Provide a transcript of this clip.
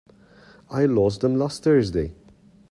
I lost them last Thursday.